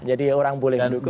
jadi orang boleh mendukung